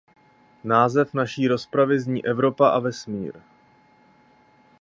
Název naší rozpravy zní Evropa a vesmír.